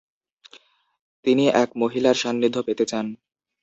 তিনি এক মহিলার সান্নিধ্য পেতে চান।